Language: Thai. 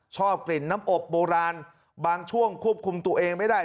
ชอบกลิ่นน้ำอบโบราณบางช่วงควบคุมตัวเองไม่ได้